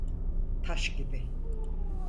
Taş gibi.